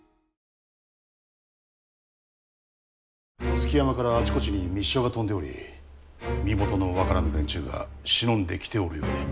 築山からあちこちに密書が飛んでおり身元の分からぬ連中が忍んできておるようで。